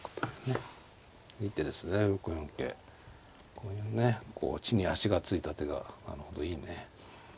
こういうね地に足がついた手がなるほどいいね。